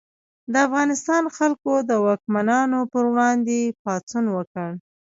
د افغانستان خلکو د واکمنانو پر وړاندې پاڅون وکړ.